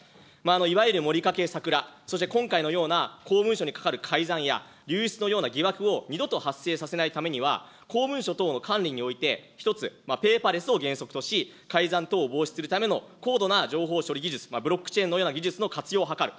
いわゆるもりかけ、さくら、そして今回のような公文書にかかる改ざんや流出のような疑惑を二度と発生させないためには、公文書等の管理において、１つ、ペーパーレスを原則とし、改ざん等を防止するための高度な情報処理技術、ブロックチェーンのような技術の活用を図る。